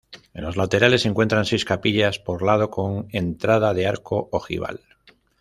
En los laterales se encuentran seis capillas por lado con entrada de arco ojival.